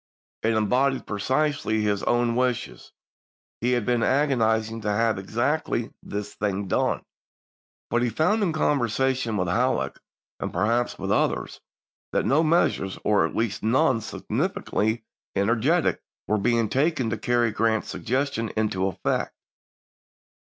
It embodied precisely his own wishes ; he had been agonizing to have exactly this thing done. But he found, in conversation with Halleck, and perhaps with others, that no measures, or at least none sufficiently ener getic, were being taken to carry Grant's suggestion into effect.